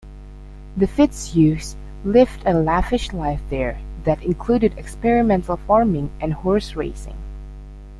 The Fitzhughs lived a lavish life there that included experimental farming and horse racing.